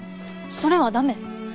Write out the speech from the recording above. それは駄目。